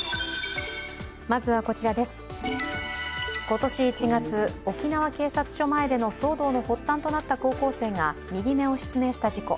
今年１月、沖縄警察署前での騒動の発端となった高校生が右目を失明した事故。